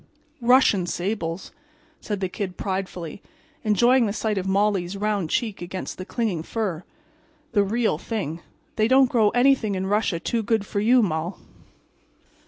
"Russian sables," said the Kid, pridefully, enjoying the sight of Molly's round cheek against the clinging fur. "The real thing. They don't grow anything in Russia too good for you, Moll."